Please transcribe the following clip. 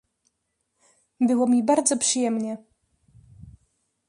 "Było mi bardzo przyjemnie“."